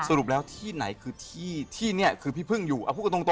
สรุปแล้วที่ไหนคือที่ที่เนี่ยคือพี่พึ่งอยู่เอาพูดกันตรง